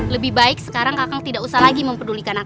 lebih baik sekarang kakak tidak usah lagi memperdulikan aku